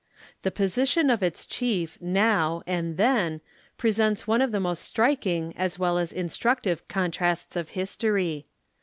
The position of its chief noio, and (hen, presents one of the most striking as well as instructive contrasts of history.